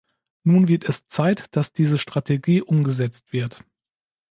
Nun wird es Zeit, dass diese Strategie umgesetzt wird.